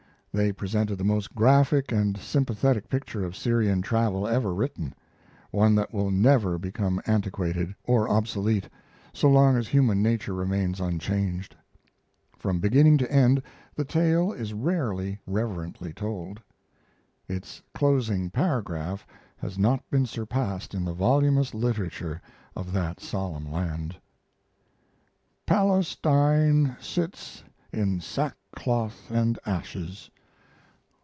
They presented the most graphic and sympathetic picture of Syrian travel ever written one that will never become antiquated or obsolete so long as human nature remains unchanged. From beginning to end the tale is rarely, reverently told. Its closing paragraph has not been surpassed in the voluminous literature of that solemn land: Palestine sits in sackcloth and ashes.